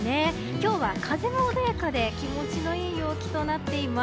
今日は風が穏やかで気持ちのいい陽気となっています。